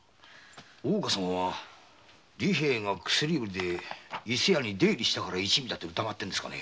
大岡様は利平が薬売りで伊勢屋に出入りしたから一味だと疑っているんですかね？